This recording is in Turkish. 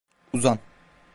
Uzan.